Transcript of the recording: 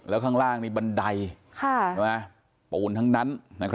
แล้วข้างล่างนี่บันไดปูนทั้งนั้น